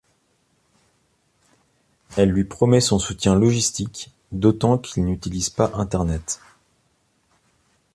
Elle lui promet son soutien logistique, d'autant qu'il n'utilise pas Internet.